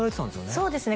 そうですね